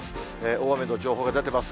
大雨の情報が出てます。